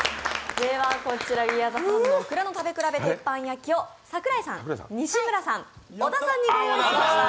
こちら、オクラの食べ比べ鉄板焼きを櫻井さん、西村さん、小田さんにご用意しました。